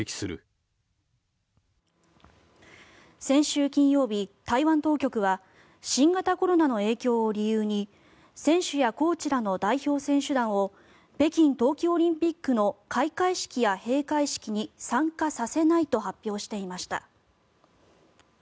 先週金曜日、台湾当局は新型コロナの影響を理由に選手やコーチらの代表選手団を北京冬季オリンピックの開会式や閉会式に参加させないと発表していました。